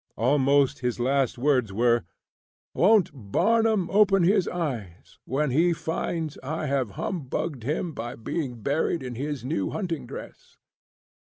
Almost his last words were: "Won't Barnum open his eyes when he finds I have humbugged him by being buried in his new hunting dress?"